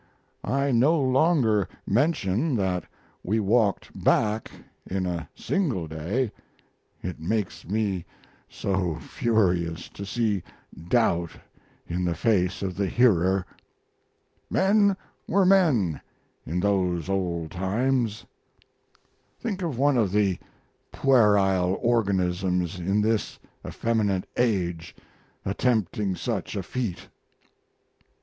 I no longer mention that we walked back in a single day, it makes me so furious to see doubt in the face of the hearer. Men were men in those old times. Think of one of the puerile organisms in this effeminate age attempting such a feat.